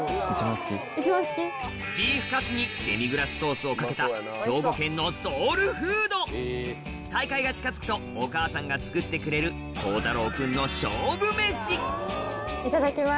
ビーフカツにデミグラスソースをかけた兵庫県のソウルフード大会が近づくとお母さんが作ってくれる宏太郎君のいただきます！